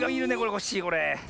コッシーこれ。